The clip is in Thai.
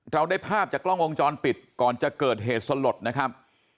เราได้ภาพจากกล้องวงจรปิดก่อนจะเกิดเหตุสลดนะครับ